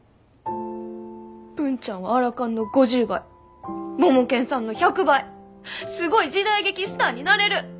文ちゃんはアラカンの五十倍モモケンさんの百倍すごい時代劇スターになれる。